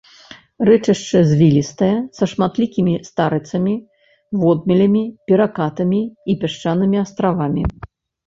Рэчышча звілістае, са шматлікімі старыцамі, водмелямі, перакатамі і пясчанымі астравамі.